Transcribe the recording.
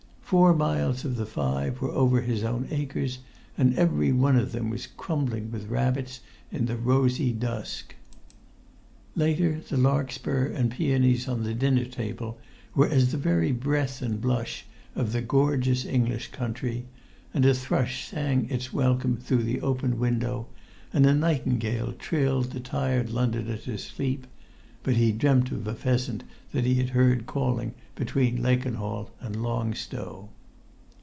Four miles of the five were over his own acres, and every one of them was crumbling with rabbits in the rosy dusk. Later, the larkspur and peonies on the dinner table were as the very breath and blush of the gorgeous English country; and a thrush sang its welcome through the open window, and a nightingale trilled the tired Londoner to sleep; but he dreamt of a pheasant that he had heard calling between Lakenhall and Long Stow.